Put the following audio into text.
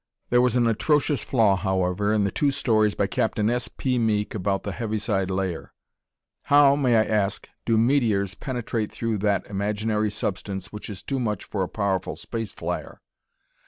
There was an atrocious flaw, however, in the two stories by Capt. S. P. Meek about the Heaviside Layer. How, may I ask, do meteors penetrate through that imaginary substance which is too much for a powerful space flyer?